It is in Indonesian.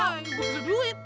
pergi buka duit